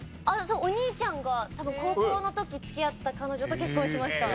お兄ちゃんが多分高校の時付き合った彼女と結婚しました。